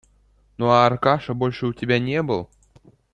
Ну, а Аркаша больше у тебя не был?